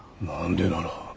何でなら。